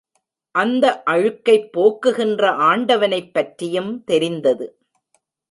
அந்த அழுக்கைப் போக்குகின்ற ஆண்டவனைப் பற்றியும் தெரிந்தது.